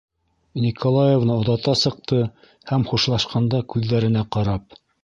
Николаевна оҙата сыҡты һәм хушлашҡанда күҙҙәренә ҡарап: